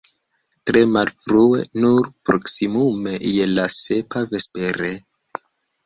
Tre malfrue, nur proksimume je la sepa vespere.